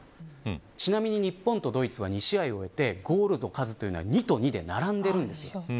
ちなみに日本とドイツは２試合を終えてゴールの数は２と２で並んでるんです。